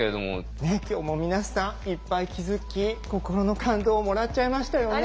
ねえ今日も皆さんいっぱい気づき心の感動をもらっちゃいましたよね。